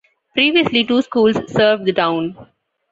Previously, two schools served the town.